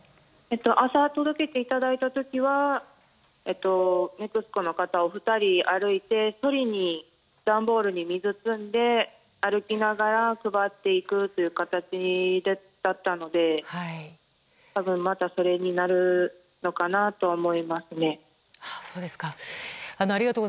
朝、届けていただいた時はＮＥＸＣＯの方がお二人歩いて段ボールに水を積んで歩きながら配っていく形だったので多分、またそれになるのかなと思いますね。